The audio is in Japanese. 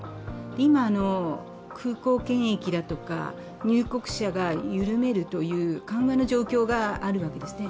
今、空港検疫だとか入国者を緩めるという緩和の状況があるわけですね。